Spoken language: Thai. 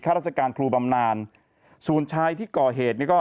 รื่องตรวจการประตูจำนานเนี่ยส่วนชายที่ก่อเหตุก็